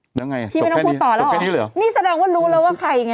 จริงไม่ต้องพูดต่อแล้วหรอนี่แสดงว่ารู้แล้วว่าใครไง